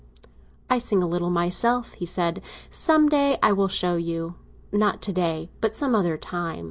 "I sing a little myself," he said; "some day I will show you. Not to day, but some other time."